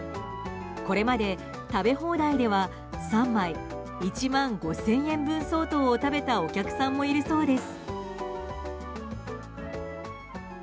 これまで食べ放題では３枚、１万５０００円分相当を食べたお客さんもいるそうです。